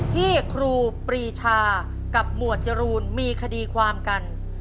ครูปรีชากับหมวดจรูนมีคดีความกัน